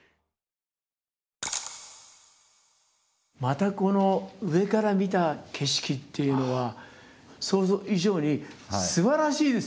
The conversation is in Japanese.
またこの上から見た景色っていうのは想像以上にすばらしいですよね。